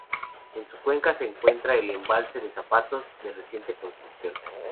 En su cuenca se encuentra el embalse de Zapateros, de reciente construcción.